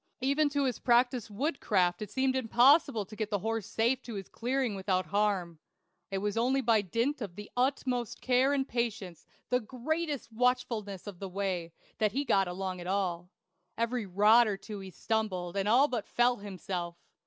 Even to his practised woodcraft it seemed impossible to get the horse safe to his clearing without harm. It was only by dint of the utmost care and patience, the greatest watchfulness of the way, that he got along at all. Every rod or two he stumbled, and all but fell himself.